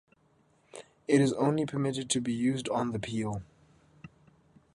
It is only permitted to be used on the peel.